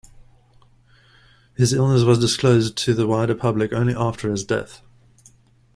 His illness was disclosed to the wider public only after his death.